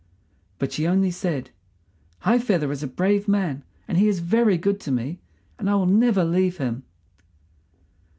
But she only said, "High feather is a brave man, and he is very good to me, and I will never leave him."